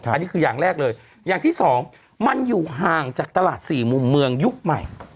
อันนี้คืออย่างแรกเลยอย่างที่สองมันอยู่ห่างจากตลาดสี่มุมเมืองยุคใหม่